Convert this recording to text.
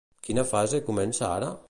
Quina fase comença ara?